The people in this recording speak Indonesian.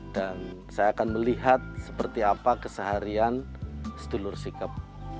dan saya akan melihat seperti apa keseharian segelurus sikep